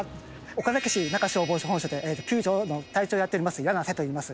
岡崎市中消防署本署で救助の隊長やっております、簗瀬といいます。